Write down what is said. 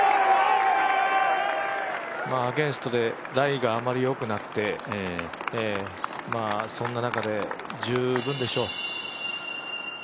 アゲンストでライがあんまりよくなくてそんな中で、十分でしょう。